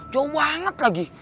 jauh banget lagi